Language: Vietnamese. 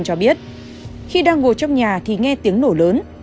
cho biết khi đang ngồi trong nhà thì nghe tiếng nổ lớn